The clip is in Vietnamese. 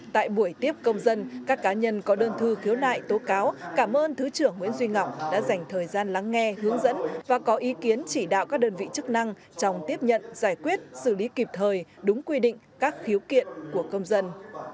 tại buổi tiếp công dân các cá nhân có đơn thư khiếu nại tố cáo cảm ơn thứ trưởng nguyễn duy ngọc đã dành thời gian lắng nghe hướng dẫn và có ý kiến chỉ đạo các đơn vị chức năng trong tiếp nhận giải quyết xử lý kịp thời đúng quy định các khiếu kiện của công dân